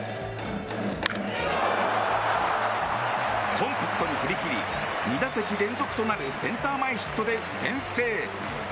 コンパクトに振り切り２打席連続となるセンター前ヒットで先制。